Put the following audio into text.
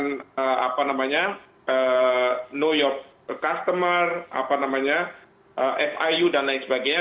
mereka sudah merapkan apa namanya know your customer fiu dan lain sebagainya